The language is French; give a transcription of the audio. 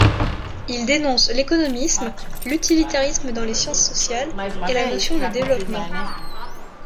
Il dénonce l'économisme, l'utilitarisme dans les sciences sociales et la notion de développement.